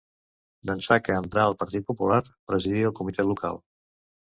D'ençà que entrà al Partit Popular, presidí el comitè local.